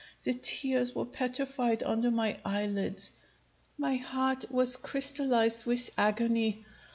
The tears were petrified under my eyelids. My heart was crystallized with agony.